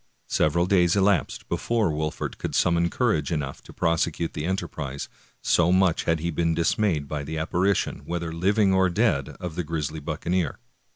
Several days elapsed before Wolfert could summon cour age enough to prosecute the enterprise, so much had he been dismayed by the apparition, whether living or dead, of the grisly buccaneer.